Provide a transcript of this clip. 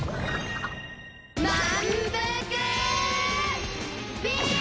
まんぷくビーム！